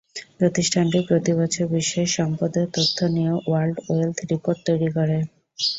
প্রতিষ্ঠানটি প্রতিবছর বিশ্বের সম্পদের তথ্য নিয়ে ওয়ার্ল্ড ওয়েলথ রিপোর্ট তৈরি করে।